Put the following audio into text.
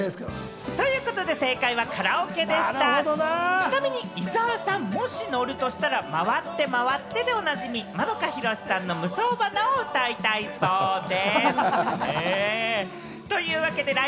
ちなみに伊沢さん、もし乗るとしたら「まわってまわって」でおなじみ、円広志さんの『夢想花』を歌いたいそうです。